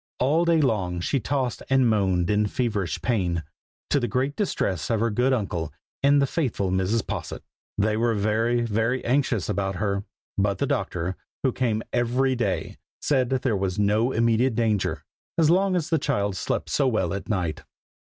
All day long she tossed and moaned in feverish pain, to the great distress of her good uncle, and the faithful Mrs. Posset. They were very, very anxious about her; but the doctor, who came every day, said that there was no immediate danger, as long as the child slept so well at night.